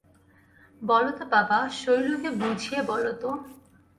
বলো তো বাবা, শৈলকে বুঝিয়ে বলো তো।